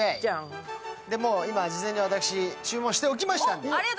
事前に私、注文しておきましたんで。